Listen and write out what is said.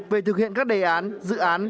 về thực hiện các đề án dự án